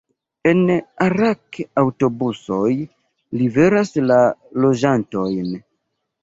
En Arak aŭtobusoj liveras la loĝantojn.